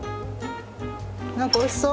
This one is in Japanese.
何かおいしそう。